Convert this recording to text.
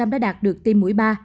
đã đạt được tiêm mũi ba